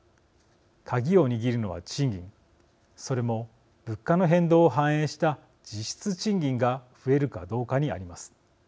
カギを握るのは賃金それも物価の変動を反映した実質賃金が増えるかどうかにあります。